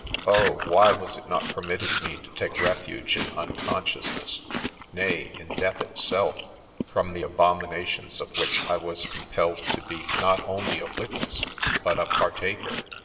Oh ! why was it not permitted me to take refuge in unconsciousness — nay, in death itself, from the abominations of which I was compelled to be not only a witness but a partaker